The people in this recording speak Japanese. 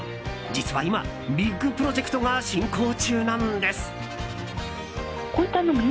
実は今、ビッグプロジェクトが進行中なんです。